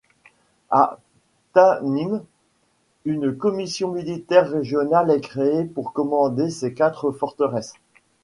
À Ta-ning, une commission militaire régionale est créée pour commander ces quatre forteresses.